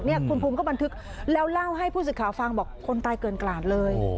คุณภูมิก็บันทึกแล้วเล่าให้ผู้สื่อข่าวฟังบอกคนตายเกินกลาดเลย